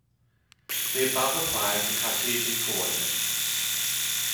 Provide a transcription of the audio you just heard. The above applies to Cartesian coordinates.